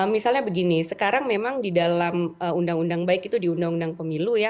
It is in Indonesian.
misalnya begini sekarang memang di dalam undang undang baik itu di undang undang pemilu ya